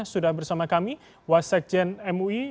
sudah bersama kami wasekjen mui